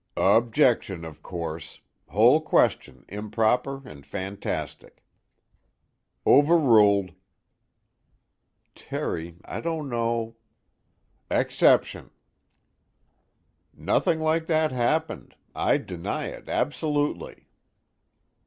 "Objection of course. Whole question improper and fantastic." "Overruled." Terry, I don't know "Exception." "Nothing like that happened. I deny it absolutely."